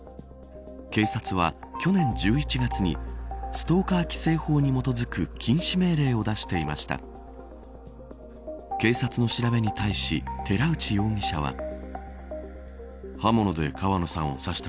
警察は去年１１月にストーカー規制法に基づく禁止命令を出していました。